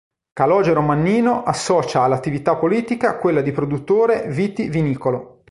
Calogero Mannino associa all'attività politica quella di produttore viti-vinicolo.